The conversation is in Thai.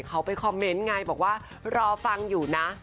เขาไปคอมเมนต์ไงบอกว่ารอฟังอยู่นะ